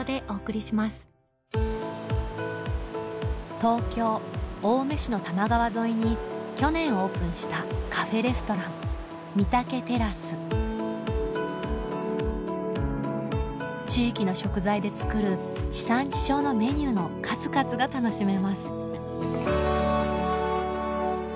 東京・青梅市の多摩川沿いに去年オープンしたカフェレストラン地域の食材で作る地産地消のメニューの数々が楽しめます